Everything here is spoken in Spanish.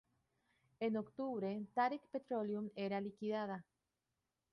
En octubre, Tarik Petroleum era liquidada.